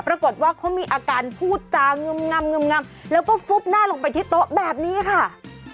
ปรากฏว่าเขามีอาการพูดจางึมงำงึมงำแล้วก็ฟุบหน้าลงไปที่โต๊ะแบบนี้ค่ะ